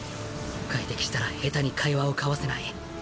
会敵したら下手に会話を交わせない。